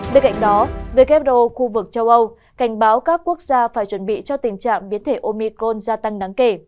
bên cạnh đó wo khu vực châu âu cảnh báo các quốc gia phải chuẩn bị cho tình trạng biến thể omico gia tăng đáng kể